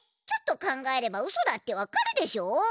ちょっと考えればうそだってわかるでしょ。